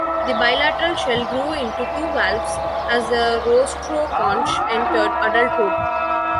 The bilateral shell grew into two valves as the rostroconch entered adulthood.